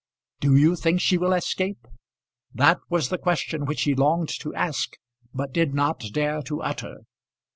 Do you think she will escape? That was the question which he longed to ask but did not dare to utter.